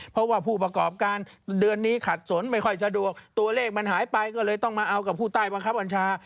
เพราะว่าผู้ประกอบการเดือนนี้ขัดสนไม่ค่อยสะดวกตัวเลขมันหายไปก็เลยต้องมาเอากับผู้ใต้บังคับบัญชา